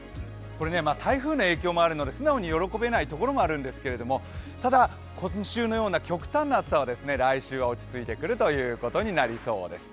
台風の影響もあるので素直に喜べないところはあるんですけどただ、今週のような極端な暑さは来週は落ち着いてくるということになりそうです。